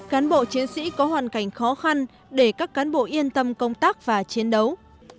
cán bộ chiến sĩ có hoàn cảnh khó khăn để các cán bộ yên tâm công tác và chiến đấu